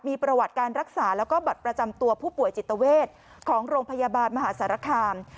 มีประวัติการรักษากตัวผู้ป่วยจิตเวชของโรงพยาบาลมหสารคาม